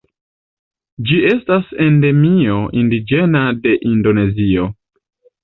Ĝi estas endemio indiĝena de Indonezio.